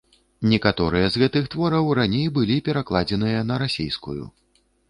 Некаторыя з гэтых твораў раней былі перакладзеныя на расейскую.